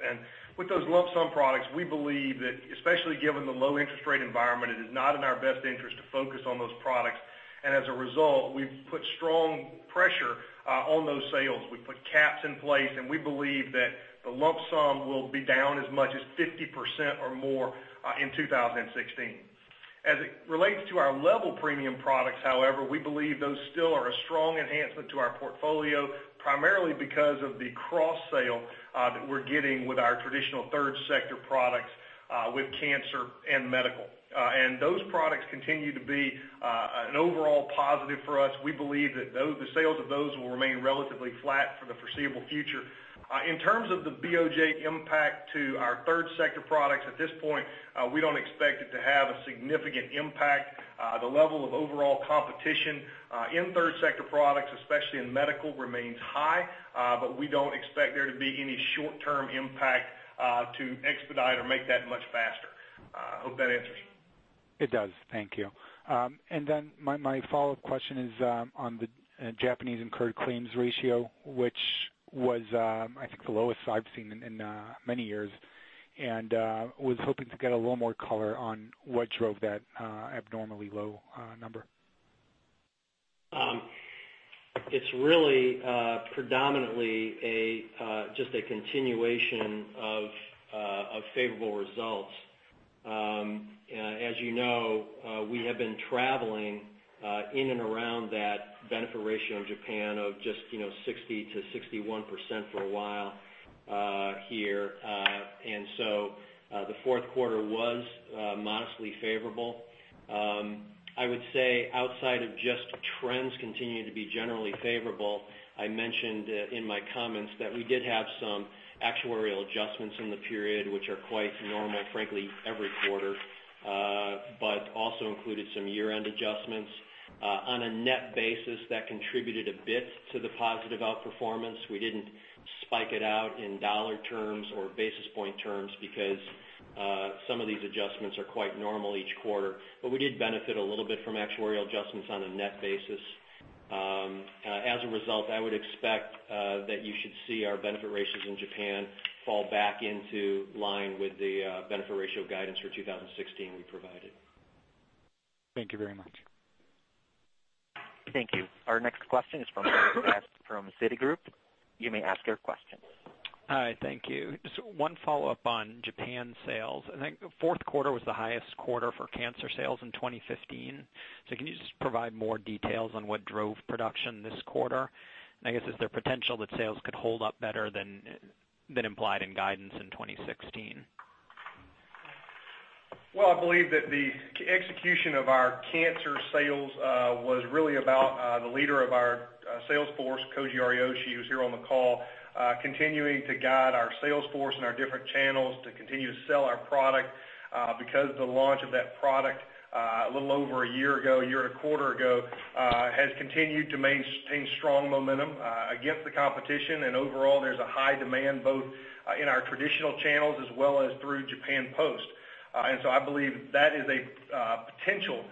With those lump sum products, we believe that, especially given the low interest rate environment, it is not in our best interest to focus on those products. As a result, we've put strong pressure on those sales. We've put caps in place, and we believe that the lump sum will be down as much as 50% or more in 2016. As it relates to our level premium products, however, we believe those still are a strong enhancement to our portfolio, primarily because of the cross-sale that we're getting with our traditional third sector products with cancer and medical. Those products continue to be an overall positive for us. We believe that the sales of those will remain relatively flat for the foreseeable future. In terms of the BOJ impact to our third sector products, at this point, we don't expect it to have a significant impact. The level of overall competition in third sector products, especially in medical, remains high. We don't expect there to be any short-term impact to expedite or make that much faster. Hope that answers. It does. Thank you. My follow-up question is on the Japanese incurred claims ratio, which was, I think, the lowest I've seen in many years, and was hoping to get a little more color on what drove that abnormally low number. It's really predominantly just a continuation of favorable results. As you know, we have been traveling in and around that benefit ratio in Japan of just 60%-61% for a while here. The fourth quarter was modestly favorable. I would say outside of just trends continuing to be generally favorable, I mentioned in my comments that we did have some actuarial adjustments in the period, which are quite normal, frankly, every quarter, but also included some year-end adjustments. On a net basis, that contributed a bit to the positive outperformance. We didn't spike it out in dollar terms or basis point terms because some of these adjustments are quite normal each quarter. We did benefit a little bit from actuarial adjustments on a net basis. As a result, I would expect that you should see our benefit ratios in Japan fall back into line with the benefit ratio guidance for 2016 we provided. Thank you very much. Thank you. Our next question is from Wes from Citigroup. You may ask your question. Hi. Thank you. Just one follow-up on Japan sales. I think fourth quarter was the highest quarter for cancer sales in 2015. Can you just provide more details on what drove production this quarter? I guess, is there potential that sales could hold up better than implied in guidance in 2016? Well, I believe that the execution of our cancer sales was really about the leader of our sales force, Koji Ariyoshi, who's here on the call, continuing to guide our sales force and our different channels to continue to sell our product, because the launch of that product a little over a year ago, a year and a quarter ago, has continued to maintain strong momentum against the competition. Overall, there's a high demand both in our traditional channels as well as through Japan Post. I believe that is a potential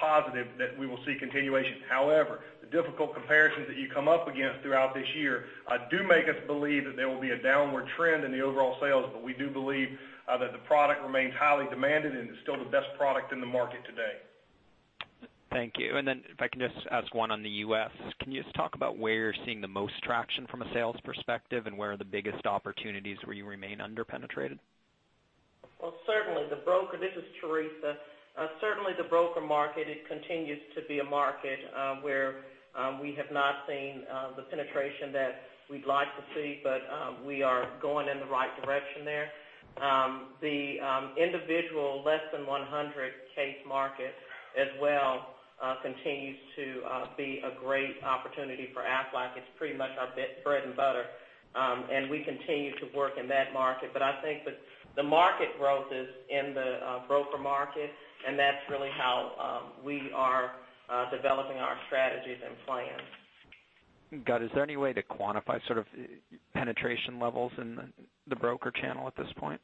positive that we will see continuation. However, the difficult comparisons that you come up against throughout this year do make us believe that there will be a downward trend in the overall sales, but we do believe that the product remains highly demanded and is still the best product in the market today. Thank you. If I can just ask one on the U.S. Can you just talk about where you're seeing the most traction from a sales perspective, and where are the biggest opportunities where you remain under-penetrated? Well, this is Teresa. Certainly the broker market, it continues to be a market where we have not seen the penetration that we'd like to see, but we are going in the right direction there. The individual less than 100 case market as well continues to be a great opportunity for Aflac. It's pretty much our bread and butter. We continue to work in that market. I think that the market growth is in the broker market, that's really how we are developing our strategies and plans. Got it. Is there any way to quantify sort of penetration levels in the broker channel at this point?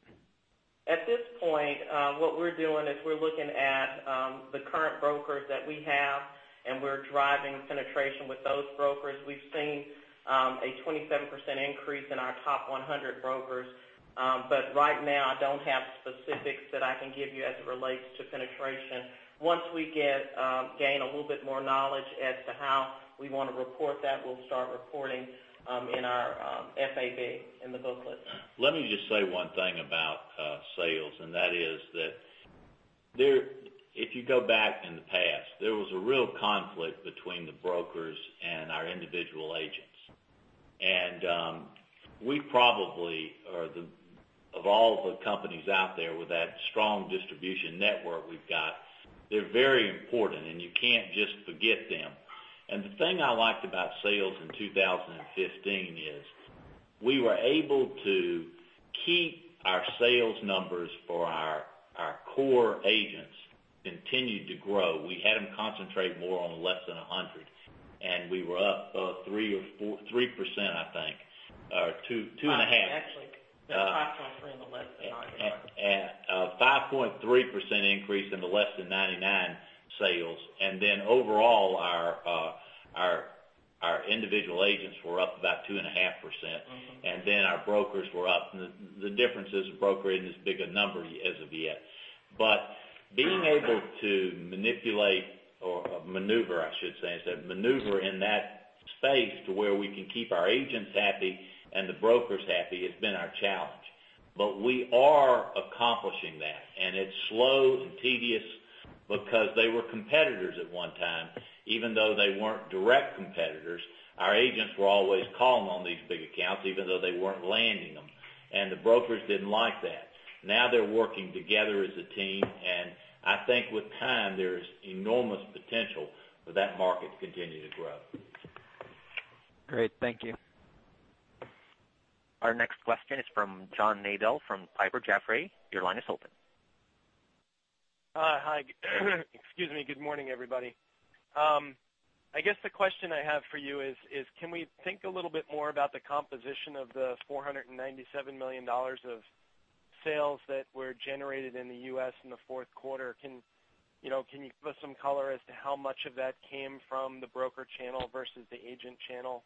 At this point, what we're doing is we're looking at the current brokers that we have, and we're driving penetration with those brokers. We've seen a 27% increase in our top 100 brokers. Right now, I don't have specifics that I can give you as it relates to penetration. Once we gain a little bit more knowledge as to how we want to report that, we'll start reporting in our FAB, in the booklet. Let me just say one thing about sales, and that is that if you go back in the past, there was a real conflict between the brokers and our individual agents. We probably are, of all the companies out there with that strong distribution network we've got, they're very important, and you can't just forget them. The thing I liked about sales in 2015 is we were able to keep our sales numbers for our core agents continue to grow. We had them concentrate more on less than 100, and we were up 3% I think, or 2.5%. Actually, the top 100 and the less than 100. A 5.3% increase in the less than 99 sales. Overall, our individual agents were up about 2.5%. Our brokers were up. The difference is a broker isn't as big a number as of yet. Being able to manipulate or maneuver, I should say, maneuver in that space to where we can keep our agents happy and the brokers happy has been our challenge. We are accomplishing that, and it's slow and tedious because they were competitors at one time, even though they weren't direct competitors. Our agents were always calling on these big accounts, even though they weren't landing them. The brokers didn't like that. Now they're working together as a team, and I think with time, there's enormous potential for that market to continue to grow. Great. Thank you. Our next question is from John Nadel from Piper Jaffray. Your line is open. Hi. Excuse me. Good morning, everybody. I guess the question I have for you is, can we think a little bit more about the composition of the $497 million of sales that were generated in the U.S. in the fourth quarter? Can you give us some color as to how much of that came from the broker channel versus the agent channel?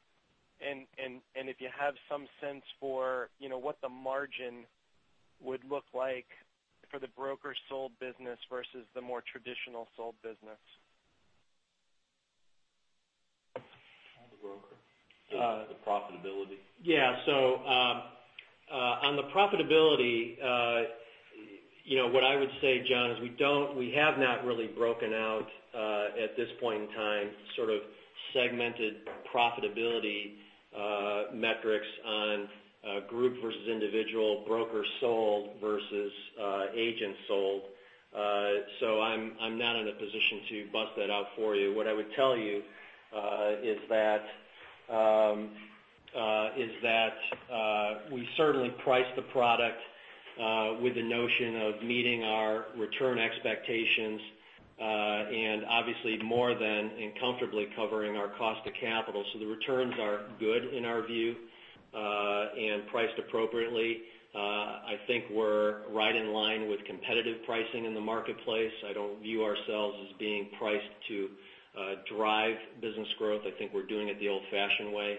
If you have some sense for what the margin would look like for the broker sold business versus the more traditional sold business. On the broker. The profitability. Yeah. On the profitability, what I would say, John, is we have not really broken out, at this point in time, sort of segmented profitability metrics on group versus individual broker sold versus agent sold. I'm not in a position to bust that out for you. What I would tell you is that we certainly price the product with the notion of meeting our return expectations, and obviously more than and comfortably covering our cost of capital. The returns are good in our view, and priced appropriately. I think we're right in line with competitive pricing in the marketplace. I don't view ourselves as being priced to drive business growth. I think we're doing it the old-fashioned way.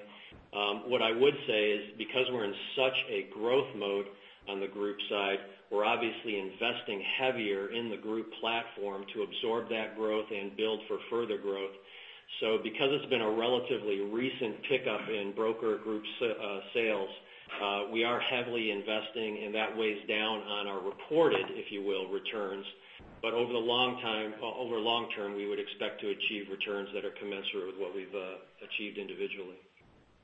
What I would say is, because we're in such a growth mode on the group side, we're obviously investing heavier in the group platform to absorb that growth and build for further growth. Because it's been a relatively recent pickup in broker group sales, we are heavily investing, and that weighs down on our reported, if you will, returns. Over long term, we would expect to achieve returns that are commensurate with what we've achieved individually.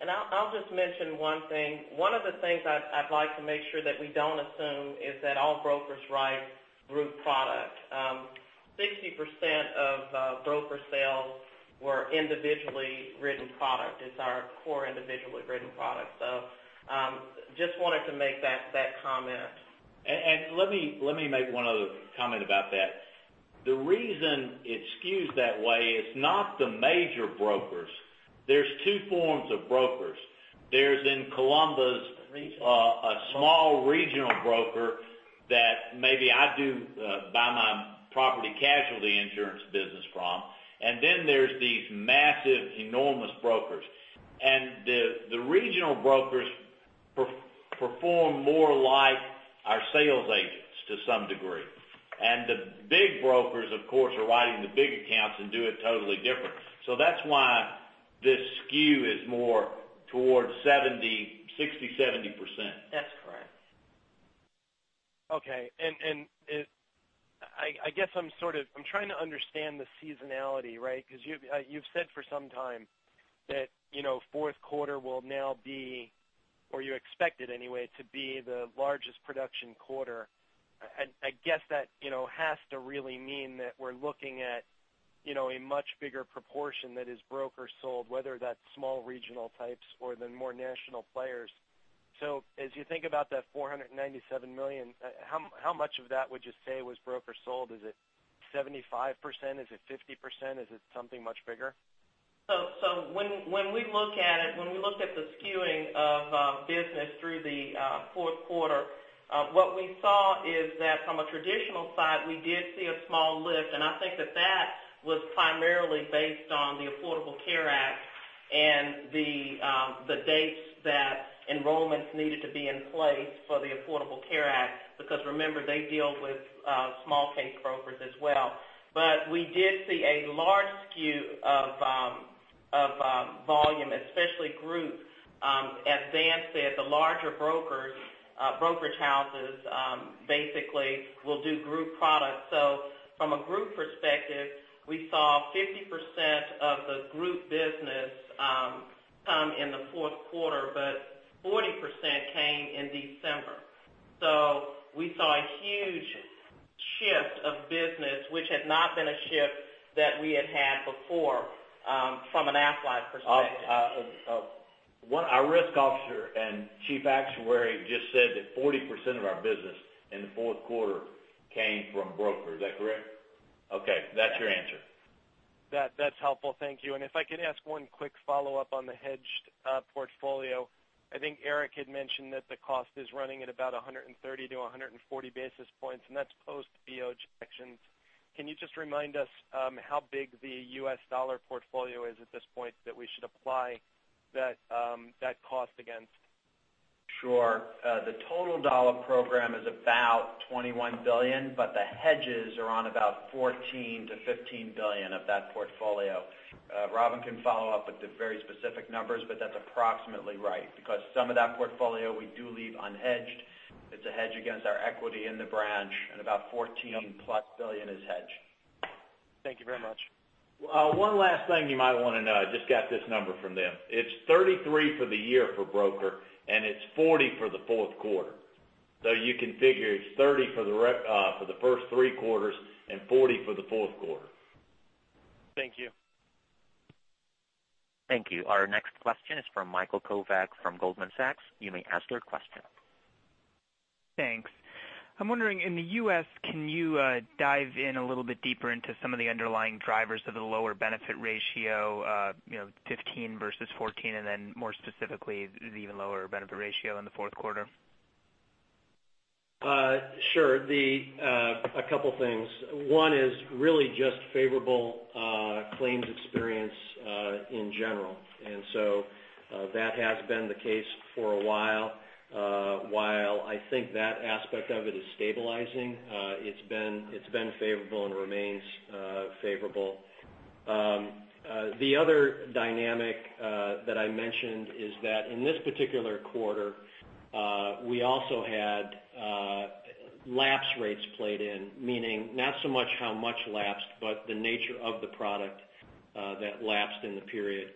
I'll just mention one thing. One of the things I'd like to make sure that we don't assume is that all brokers write group product. 60% of broker sales were individually written product. It's our core individually written product. Just wanted to make that comment. Let me make one other comment about that. The reason it skews that way, it's not the major brokers. There's two forms of brokers. There's in Columbus a small regional broker that maybe I do buy my property casualty insurance business from, and then there's these massive, enormous brokers. The regional brokers perform more like our sales agents to some degree. The big brokers, of course, are writing the big accounts and do it totally different. That's why this skew is more towards 60%-70%. That's correct. I'm trying to understand the seasonality, right? You've said for some time that fourth quarter will now be, or you expect it anyway, to be the largest production quarter. I guess that has to really mean that we're looking at a much bigger proportion that is broker sold, whether that's small regional types or the more national players. As you think about that $497 million, how much of that would you say was broker sold? Is it 75%? Is it 50%? Is it something much bigger? When we look at the skewing of business through the fourth quarter, what we saw is that from a traditional side, we did see a small lift, and I think that was primarily based on the Affordable Care Act and the dates that enrollments needed to be in place for the Affordable Care Act. Because remember, they deal with small case brokers as well. We did see a large skew of volume, especially group. As Dan said, the larger brokerage houses basically will do group products. From a group perspective, we saw 50% of the group business come in the fourth quarter, but 40% came in December. We saw a huge shift of business, which had not been a shift that we had had before from an Aflac perspective. Our risk officer and chief actuary just said that 40% of our business in the fourth quarter came from brokers. Is that correct? Okay. That's your answer. That's helpful. Thank you. If I could ask one quick follow-up on the hedged portfolio. I think Eric had mentioned that the cost is running at about 130-140 basis points, and that's post BOJ hedge actions. Can you just remind us how big the U.S. dollar portfolio is at this point that we should apply that cost against? Sure. The total dollar program is about $21 billion, the hedges are on about $14 billion-$15 billion of that portfolio. Robin can follow up with the very specific numbers, that's approximately right, because some of that portfolio we do leave unhedged. It's a hedge against our equity in the branch, and about $14-plus billion is hedged. Thank you very much. One last thing you might want to know. I just got this number from them. It is 33 for the year for broker, and it is 40 for the fourth quarter. You can figure it is 30 for the first three quarters and 40 for the fourth quarter. Thank you. Thank you. Our next question is from Michael Kovak from Goldman Sachs. You may ask your question. Thanks. I'm wondering, in the U.S., can you dive in a little bit deeper into some of the underlying drivers of the lower benefit ratio, 2015 versus 2014, and more specifically, the even lower benefit ratio in the fourth quarter? Sure. A couple things. One is really just favorable claims experience in general, so that has been the case for a while. While I think that aspect of it is stabilizing, it's been favorable and remains favorable. The other dynamic that I mentioned is that in this particular quarter, we also had lapse rates played in, meaning not so much how much lapsed, but the nature of the product that lapsed in the period.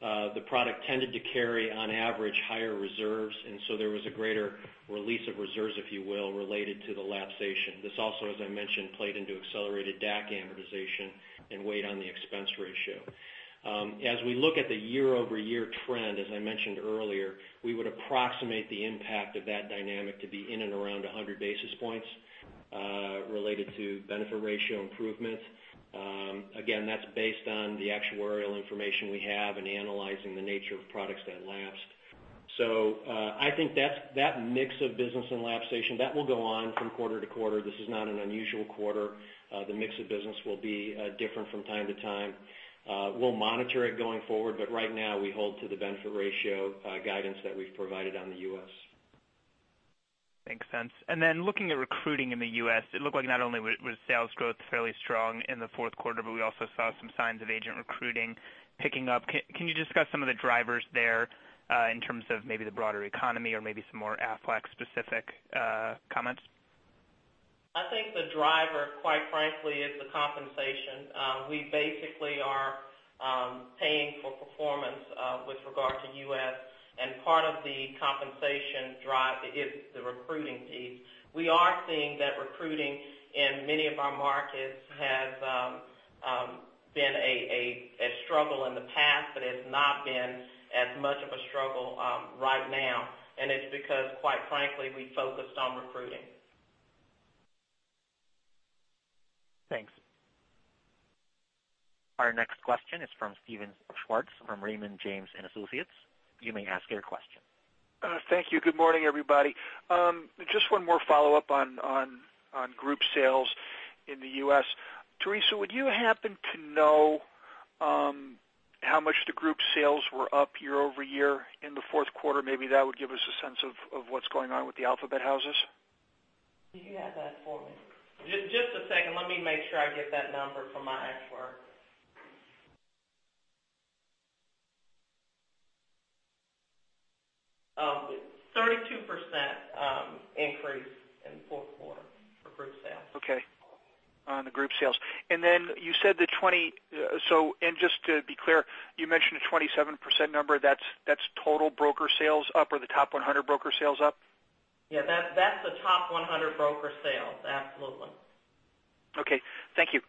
The product tended to carry, on average, higher reserves, so there was a greater release of reserves, if you will, related to the lapsation. This also, as I mentioned, played into accelerated DAC amortization and weighed on the expense ratio. As we look at the year-over-year trend, as I mentioned earlier, we would approximate the impact of that dynamic to be in and around 100 basis points related to benefit ratio improvements. Again, that's based on the actuarial information we have and analyzing the nature of products that lapsed. I think that mix of business and lapsation, that will go on from quarter to quarter. This is not an unusual quarter. The mix of business will be different from time to time. We'll monitor it going forward, but right now we hold to the benefit ratio guidance that we've provided on the U.S. Makes sense. Looking at recruiting in the U.S., it looked like not only was sales growth fairly strong in the fourth quarter, but we also saw some signs of agent recruiting picking up. Can you discuss some of the drivers there in terms of maybe the broader economy or maybe some more Aflac specific comments? I think the driver, quite frankly, is the compensation. We basically are paying for performance with regard to U.S., part of the compensation drive is the recruiting piece. We are seeing that recruiting in many of our markets has been a struggle in the past, but has not been as much of a struggle right now, it's because, quite frankly, we focused on recruiting. Thanks. Our next question is from Steven Schwartz from Raymond James & Associates. You may ask your question. Thank you. Good morning, everybody. Just one more follow-up on group sales in the U.S. Teresa, would you happen to know how much the group sales were up year-over-year in the fourth quarter? Maybe that would give us a sense of what's going on with the alphabet houses. We can have that for me. Just a second. Let me make sure I get that number from my actuary. 32% increase in Q4 for group sales. Okay. On the group sales. Just to be clear, you mentioned a 27% number. That's total broker sales up or the top 100 broker sales up? Yeah, that's the top 100 broker sales. Absolutely. Okay. Thank you.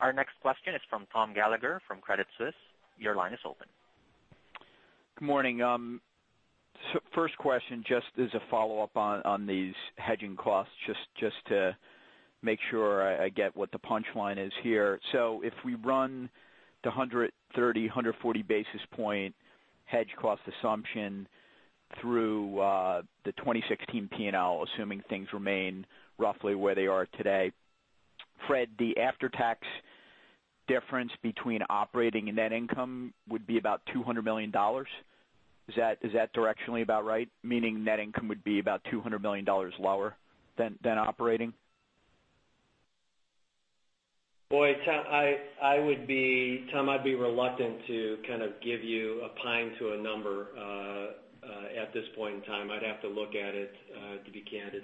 Our next question is from Thomas Gallagher from Credit Suisse. Your line is open. Good morning. First question, just as a follow-up on these hedging costs, just to make sure I get what the punchline is here. If we run the 130, 140 basis points hedge cost assumption through the 2016 P&L, assuming things remain roughly where they are today. Fred, the after-tax difference between operating and net income would be about $200 million. Is that directionally about right? Meaning net income would be about $200 million lower than operating. Boy, Tom, I'd be reluctant to give you a pin to a number at this point in time. I'd have to look at it to be candid.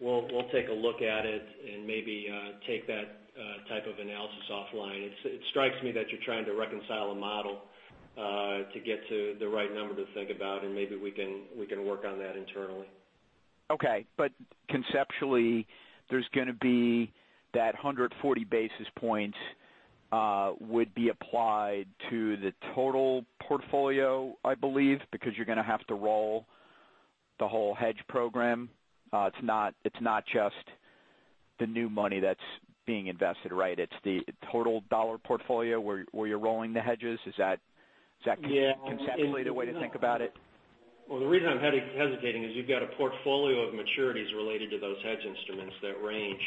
We'll take a look at it and maybe take that type of analysis offline. It strikes me that you're trying to reconcile a model to get to the right number to think about, and maybe we can work on that internally. Okay. Conceptually, there's going to be that 140 basis points would be applied to the total portfolio, I believe, because you're going to have to roll the whole hedge program. It's not just the new money that's being invested, right? It's the total dollar portfolio where you're rolling the hedges. Is that conceptually the way to think about it? The reason I'm hesitating is you've got a portfolio of maturities related to those hedge instruments that range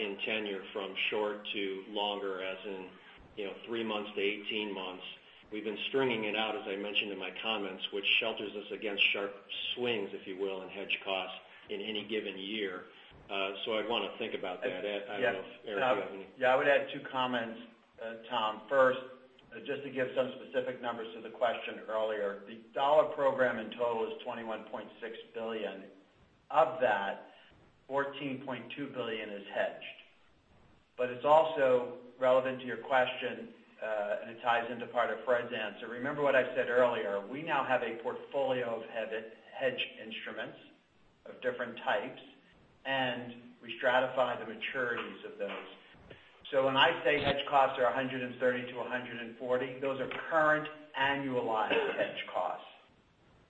in tenure from short to longer, as in three months to 18 months. We've been stringing it out, as I mentioned in my comments, which shelters us against sharp swings, if you will, in hedge costs in any given year. I'd want to think about that. I don't know if Eric you have any- I would add two comments, Tom. First, just to give some specific numbers to the question earlier. The dollar program in total is $21.6 billion. Of that, $14.2 billion is hedged. It's also relevant to your question, and it ties into part of Fred's answer. Remember what I said earlier. We now have a portfolio of hedge instruments of different types, and we stratify the maturities of those. When I say hedge costs are 130 to 140, those are current annualized hedge costs.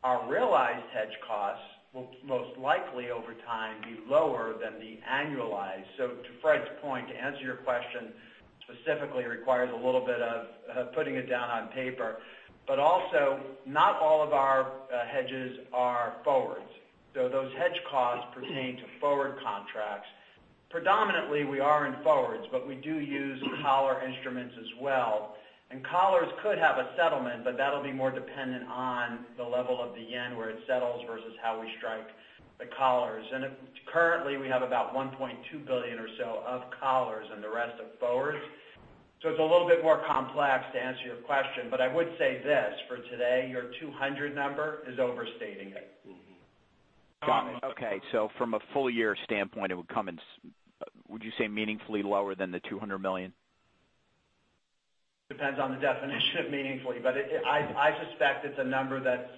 Our realized hedge costs will most likely, over time, be lower than the annualized. To Fred's point, to answer your question specifically requires a little bit of putting it down on paper. Also, not all of our hedges are forwards. Those hedge costs pertain to forward contracts. Predominantly we are in forwards, we do use collar instruments as well, and collars could have a settlement, but that'll be more dependent on the level of the yen, where it settles versus how we strike the collars. Currently we have about $1.2 billion or so of collars and the rest of forwards. It's a little bit more complex to answer your question. I would say this, for today, your $200 number is overstating it. Got it. Okay. From a full year standpoint, it would come in, would you say meaningfully lower than the $200 million? Depends on the definition of meaningfully, I suspect it's a number that's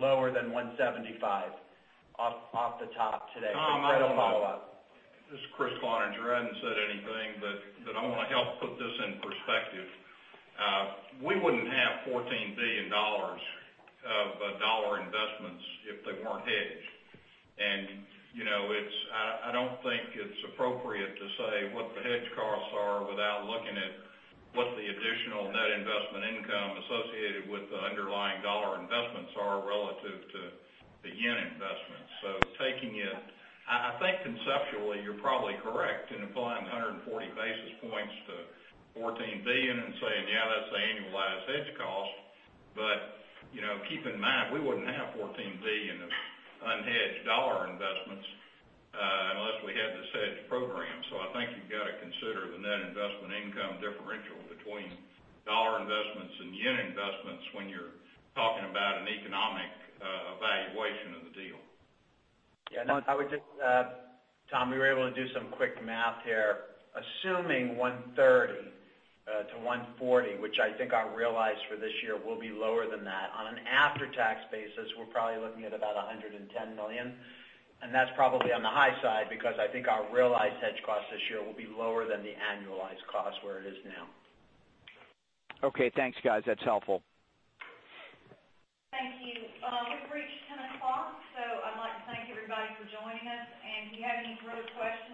lower than $175 off the top today. Fred will follow up. Tom, this is Kriss Cloninger. I hadn't said anything, but I want to help put this in perspective. We wouldn't have $14 billion of dollar investments if they weren't hedged. I don't think it's appropriate to say what the hedge costs are without looking at what the additional net investment income associated with the underlying dollar investments are relative to the yen investments. I think conceptually, you're probably correct in applying the 140 basis points to $14 billion and saying, "Yeah, that's the annualized hedge cost." Keep in mind, we wouldn't have $14 billion of unhedged dollar investments unless we had this hedge program. I think you've got to consider the net investment income differential between dollar investments and yen investments when you're talking about an economic evaluation of the deal. Tom, we were able to do some quick math here. Assuming 130 to 140, which I think our realized for this year will be lower than that. On an after-tax basis, we're probably looking at about $110 million, and that's probably on the high side because I think our realized hedge cost this year will be lower than the annualized cost where it is now. Thanks, guys. That's helpful. Thank you. We've reached 10:00, I'd like to thank everybody for joining us. If you have any further questions